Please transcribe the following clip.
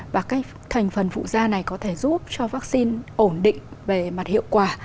và cái thành phần phụ da này có thể giúp cho vắc xin ổn định về mặt hiệu quả